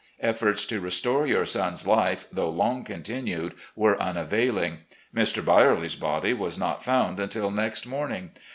Efforts to restore your son's life, though long continued, were tmavailing. Mr. Birely's body was not found imtil next morning.